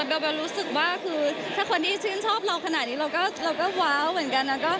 เบลรู้สึกว่าคือถ้าคนที่ชื่นชอบเราขนาดนี้เราก็ว้าวเหมือนกันนะ